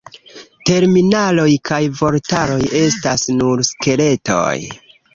Terminaroj kaj vortaroj estas nur skeletoj.